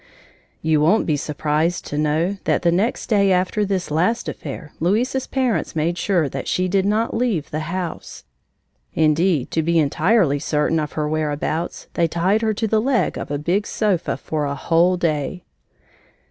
You won't be surprised to know that the next day after this last affair Louisa's parents made sure that she did not leave the house. Indeed, to be entirely certain of her where abouts, they tied her to the leg of a big sofa for a whole day!